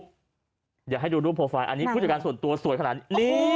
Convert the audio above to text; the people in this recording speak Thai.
เดี๋ยวให้ดูรูปโปรไฟล์อันนี้ผู้จัดการส่วนตัวสวยขนาดนี้